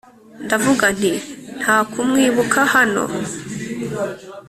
ndavuga nti: “nta kumwibuka hano!”